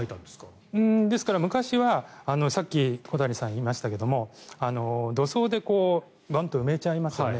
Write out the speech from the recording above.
昔はさっき小谷さんが言いましたが土葬でバンと埋めちゃいますよね